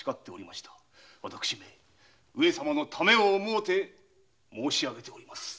私め上様のためを思うて申し上げております。